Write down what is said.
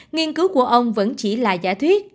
nghiên cứu của ông vẫn chỉ là giả thuyết